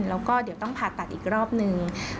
แล้วก็เดี๋ยวต้องผ่าตัดอีกรอบนึง